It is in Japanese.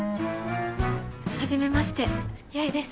はじめまして八重です。